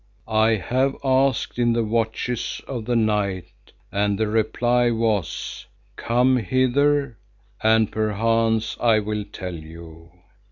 I have asked in the watches of the night, and the reply was, 'Come hither and perchance I will tell you.